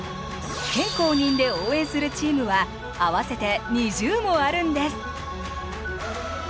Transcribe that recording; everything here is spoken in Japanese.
県公認で応援するチームは合わせて２０もあるんです。